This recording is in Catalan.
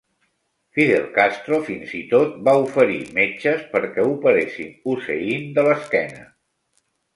Fidel Castro fins i tot va oferir metges perquè operessin Hussein de l'esquena.